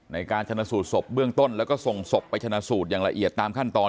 ในการชนะสูตรศพเบื้องต้นแล้วก็ส่งศพไปชนะสูตรอย่างละเอียดตามขั้นตอน